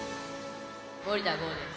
森田剛です。